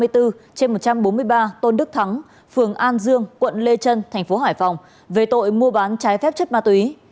trên một trăm bốn mươi ba tôn đức thắng phường an dương quận lê trân thành phố hải phòng về tội mua bán trái phép chất ma túy